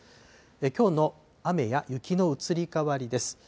きょうの雨や雪の移り変わりです。